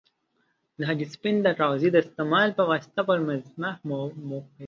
د هګۍ سپین د کاغذي دستمال په واسطه پر مخ وموښئ.